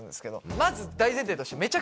まず大前提として。